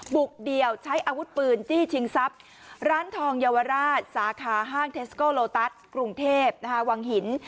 บุกเดี่ยวใช้อาวุธปืนจี้ชิงทรัพย์ร้านทองเยาวราชสาขาห้างเทสโกโลตัสกรุงเทพวังหิน